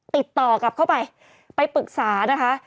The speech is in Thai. ติดต่อกลับเข้าไปไปปรึกษานะคะ